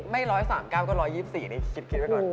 ไม่๑๓๙ก็๑๒๔นี่คิดไว้ก่อน